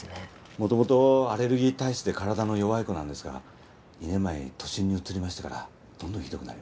もともとアレルギー体質で体の弱い子なんですが２年前都心に移りましてからどんどんひどくなりまして。